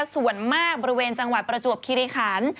ส่วนมากบริเวณจังหวัดประจวบคิริคัน